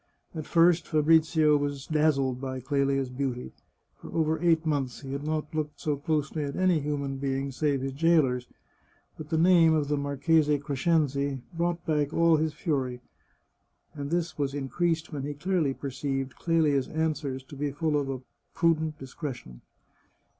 At first Fabrizio was dazzled by Clelia's beauty. For over eight months he had not looked so closely at any human being save his jailers, but the name of the Marchese Crescenzi brought back all his fury, and this was increased when he clearly perceived Clelia's answers to be full of a prudent discretion.